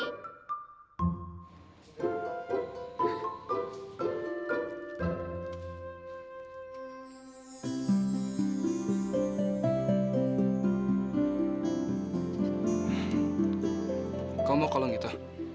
ha kamu mau kalung itu